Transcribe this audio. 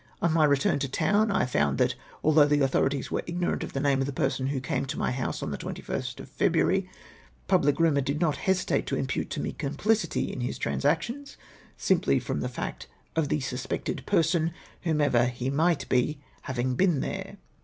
On my retnrn to town, I fonnd that althono;h the authorities were i2;norant of the name of the person who came to my house on the 21st of February, public rumour did not hesitate to impute to me complicity in his transactions, simply from the fact of the suspected person, whoever he might be, having been there.